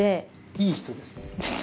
いい人ですね。